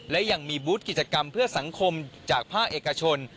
และยังมีบูธกิจกรรมเพื่อสังคมจากภาคเอกชน